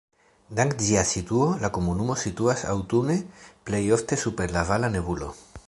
Dank ĝia situo la komunumo situas aŭtune plej ofte super la vala nebulo.